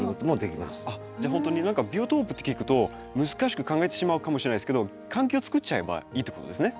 何かビオトープって聞くと難しく考えてしまうかもしれないですけど環境を作っちゃえばいいということですね。